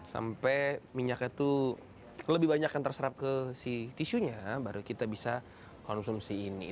sampai minyaknya itu lebih banyak yang terserap ke si tisunya baru kita bisa konsumsi ini